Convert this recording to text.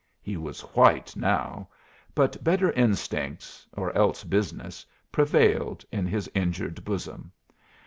He was white now; but better instincts, or else business, prevailed in his injured bosom.